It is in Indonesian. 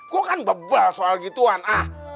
gue kan bebal soal gituan ah